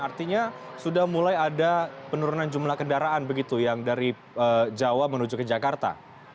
artinya sudah mulai ada penurunan jumlah kendaraan begitu yang dari jawa menuju ke jakarta